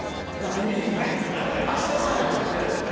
芦田愛菜ちゃんみたいになっちゃった。